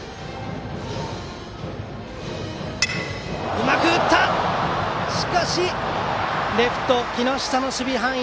うまく打ったがしかし、レフト、木下の守備範囲。